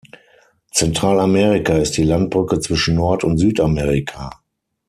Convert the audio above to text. Zentralamerika ist die Landbrücke zwischen Nord- und Südamerika.